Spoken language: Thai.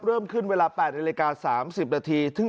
เริ่มขึ้นเวลา๘นาฬิกา๓๐นาที